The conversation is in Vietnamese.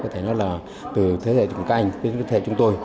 thế hệ của các anh thế hệ của chúng tôi